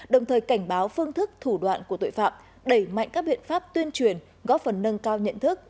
đồng thời cảnh báo phương thức thủ đoạn của tội phạm đẩy mạnh các biện pháp tuyên truyền góp phần nâng cao nhận thức